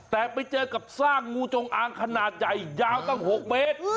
แต่ไปเจอกับซากงูจงอางขนาดใหญ่ยาวตั้ง๖เมตร